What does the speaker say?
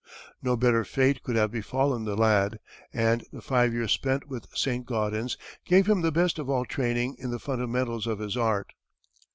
No better fate could have befallen the lad, and the five years spent with Saint Gaudens gave him the best of all training in the fundamentals of his art.